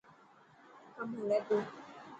ڪم هلي پيو.